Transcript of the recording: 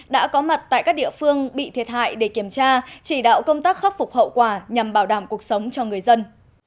đã có mặt tại các địa phương bị thiệt hại để kiểm tra chỉ đạo công tác khắc phục hậu quả nhằm bảo đảm cuộc sống cho người dân